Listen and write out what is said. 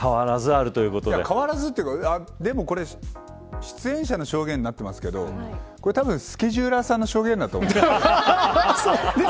変わらずというかでも、これ出演者の証言になってますけどたぶん、スケジューラーさんの証言だと思う。